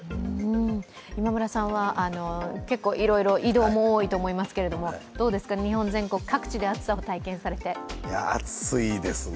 今村さんは結構いろいろ移動も多いと思いますけれども、日本全国、各地で暑さを体験されてどうですか？